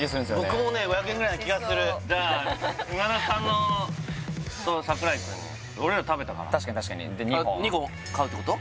僕もね５００円ぐらいな気がするうんしそうじゃあ今田さんのと櫻井くんにはい俺ら食べたから確かに確かにで２本あっ２本買うってこと？